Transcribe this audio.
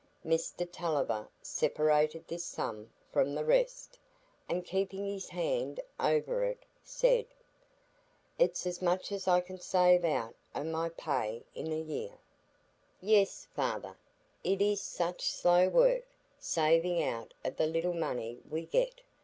Mr Tulliver separated this sum from the rest, and keeping his hand over it, said: "It's as much as I can save out o' my pay in a year." "Yes, father; it is such slow work, saving out of the little money we get.